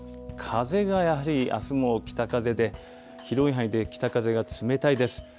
風がやはりあすも北風で、広い範囲で北風が冷たいです。